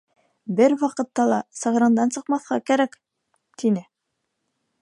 Бер ваҡытта ла сығырыңдан сыҡмаҫҡа кәрәк! —тине.